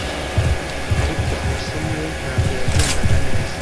ariko amasomo ye ntabwo yagendaga neza